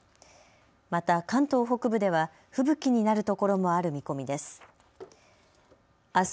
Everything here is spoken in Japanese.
また関東北部では吹雪になる所もある見込みです。